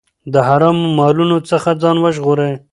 د حرامو مالونو څخه ځان وژغورئ.